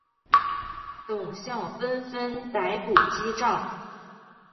董相纷纷逮捕击杖。